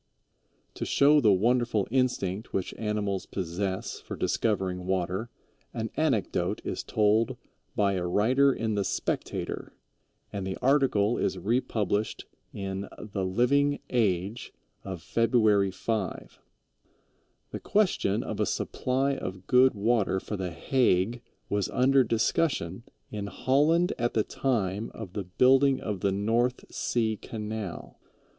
To show the wonderful instinct which animals possess for discovering water an anecdote is told by a writer in the Spectator, and the article is republished in the Living Age of February 5. The question of a supply of good water for the Hague was under discussion in Holland at the time of building the North Sea Canal.